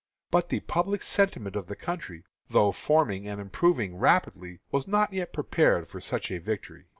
But the public sentiment of the country, though forming and improving rapidly, was not yet prepared for such a victory.